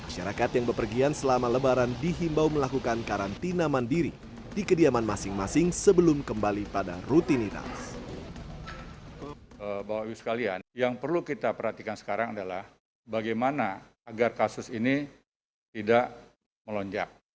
dengan peningkatan delapan puluh dua persen dan tingkat kematian mingguan sebesar satu ratus tujuh puluh persen